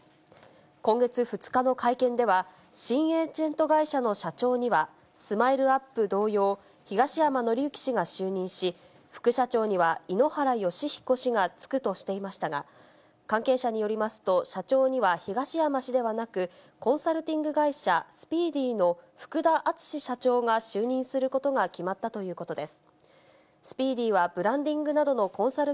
今月２日の会見では、新エージェント会社の社長には、スマイルアップ同様、東山紀之氏が就任し、副社長には井ノ原快彦氏が就くとしていましたが、関係者によりますと、社長には東山氏ではなく、コンサルティング会社、スピーディの福田淳社長が就任することが決まったということです。